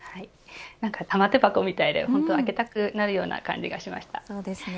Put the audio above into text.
玉手箱みたいで、本当に開けたくなる感じがしました。